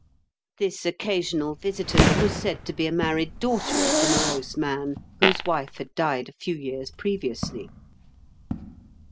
This occasional A HAUNTED HOUSE. 173 visitant was said to be a married daughter of the morose man, whose wife had died a few years previously.